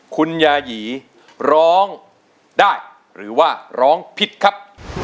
คุณยายีร้องได้หรือว่าร้องผิดครับ